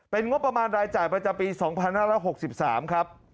งบประมาณรายจ่ายประจำปี๒๕๖๓ครับ